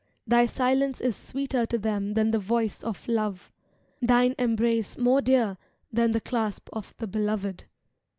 Thy silence is sweeter to them than the voice of love. Thine embrace more dear than the clasp of the beloved.